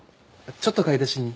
ちょっと買い出しに。